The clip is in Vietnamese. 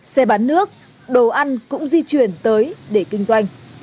xe bán nước đồ ăn cũng di chuyển tới để kinh doanh